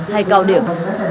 hay cao điểm